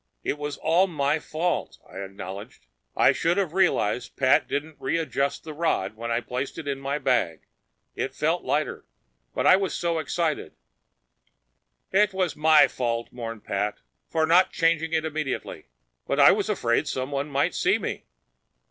"It was all my fault," I acknowledged. "I should have realized Pat hadn't readjusted the rod when I placed it in my bag. It felt lighter. But I was so excited—" "It was my fault," mourned Pat, "for not changing it immediately. But I was afraid someone might see me."